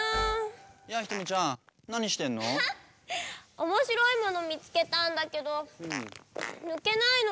おもしろいものみつけたんだけどぬけないの。